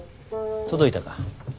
届いたか。